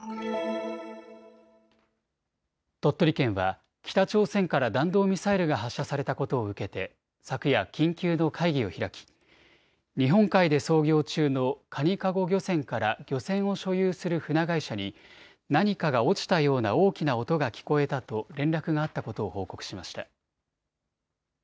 鳥取県は北朝鮮から弾道ミサイルが発射されたことを受けて昨夜、緊急の会議を開き日本海で操業中のかにかご漁船から漁船を所有する船会社に何かが落ちたような大きな音が聞こえたと連絡があったことを報告しました。